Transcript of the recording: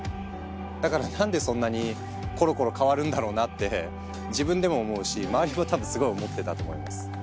だから何でそんなにコロコロ変わるんだろうなって自分でも思うし周りも多分すごい思ってたと思います。